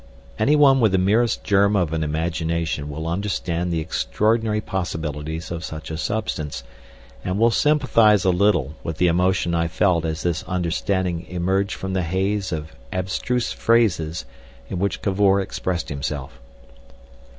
Any one with the merest germ of an imagination will understand the extraordinary possibilities of such a substance, and will sympathise a little with the emotion I felt as this understanding emerged from the haze of abstruse phrases in which Cavor expressed himself.